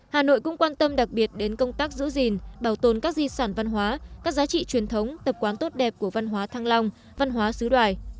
hà nội cũng quan tâm đặc biệt đến công tác giữ gìn bảo tồn các di sản văn hóa các giá trị truyền thống tập quán tốt đẹp của văn hóa thăng long văn hóa xứ đoài